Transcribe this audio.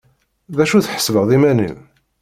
D acu tḥesbeḍ iman-im?